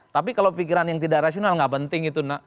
tapi kalau pikiran yang tidak rasional nggak penting itu